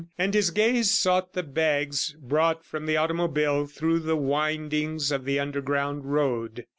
And his gaze sought the bags brought from the automobile through the windings of the underground road.